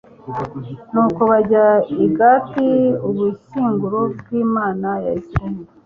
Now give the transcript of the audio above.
nuko bajyana i gati ubushyinguro bw'imana ya israheli